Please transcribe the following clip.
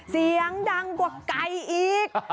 เสียงดังกว่าไก่อีก